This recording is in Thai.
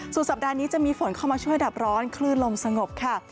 สัปดาห์นี้จะมีฝนเข้ามาช่วยดับร้อนคลื่นลมสงบค่ะ